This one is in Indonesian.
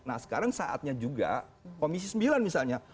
nah sekarang saatnya juga komisi sembilan misalnya